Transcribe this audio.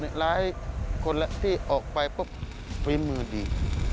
หลายคนที่ออกไปปุ๊บฝีมือดี